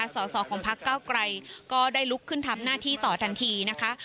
สอสอของพักเก้าไกรก็ได้ลุกขึ้นทำหน้าที่ต่อทันทีนะคะ